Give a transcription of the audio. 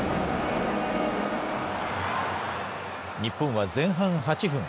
日本は前半８分。